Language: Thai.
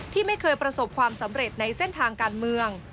ที่ไม่เคยประสบความสำเร็จในเส้นทางการเมือง